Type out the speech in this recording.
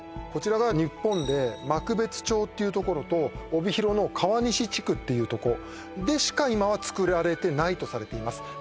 こちらが日本で幕別町っていうところと帯広の川西地区っていうとこでしか今は作られてないとされています